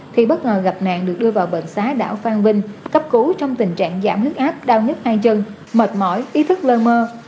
thì bất ngờ gặp nạn được đưa vào bệnh xã đảo phan vinh cấp cứu trong tình trạng giảm huyết áp đau nhức hai chân mệt mỏi ý thức lơ mơ